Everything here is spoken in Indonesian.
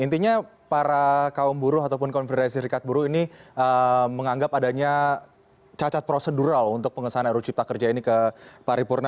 intinya para kaum buruh ataupun konfederasi serikat buruh ini menganggap adanya cacat prosedural untuk pengesahan ru cipta kerja ini ke paripurna